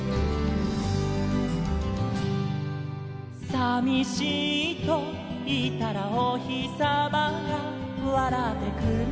「さみしいといったらおひさまがわらってくれた」